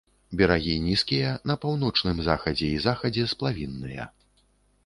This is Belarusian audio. Берагі нізкія, на паўночным захадзе і захадзе сплавінныя.